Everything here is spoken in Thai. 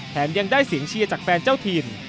ยังได้เสียงเชียร์จากแฟนเจ้าถิ่น